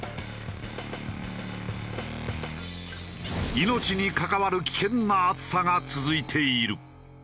命に関わる危険な暑さが続いている。